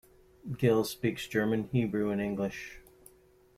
Gil speaks German, Hebrew, and English.